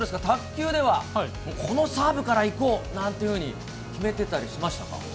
卓球ではこのサーブから行こうなんていうふうに決めてたりしまし